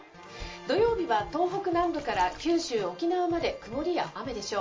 土曜日は東北南部から九州、沖縄まで曇りや雨でしょう。